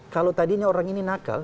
kalau tadinya orang ini nakal